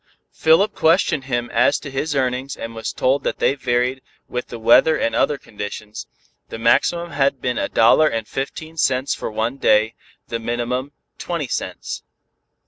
Philip questioned him as to his earnings and was told that they varied with the weather and other conditions, the maximum had been a dollar and fifteen cents for one day, the minimum twenty cents.